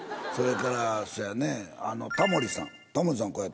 それからそやねタモリさんタモリさん